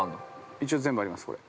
◆一応全部あります、これ。